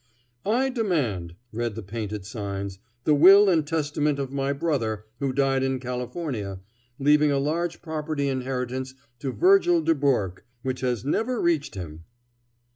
"I demand," read the painted signs, "the will and testament of my brother, who died in California, leaving a large property inheritance to Virgile Dubourque, which has never reached him."